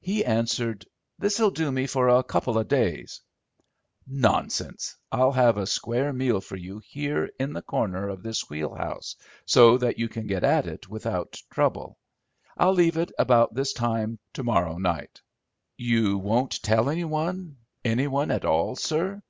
He answered, "This'll do me for a couple of days." "Nonsense. I'll have a square meal for you here in the corner of this wheel house, so that you can get at it without trouble. I'll leave it about this time to morrow night." "You won't tell any one, any one at all, sir?"